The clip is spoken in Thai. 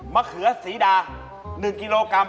เขือสีดา๑กิโลกรัม